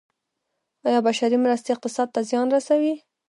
آیا بشري مرستې اقتصاد ته زیان رسوي؟